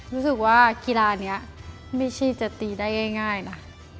รู้สึกว่ากีฬานี้ไม่ใช่จะตีได้ง่ายนะ